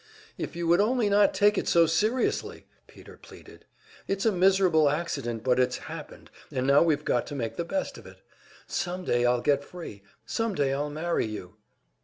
"If you would only not take it so seriously!" Peter pleaded. "It's a miserable accident, but it's happened, and now we've got to make the best of it. Some day I'll get free; some day I'll marry you."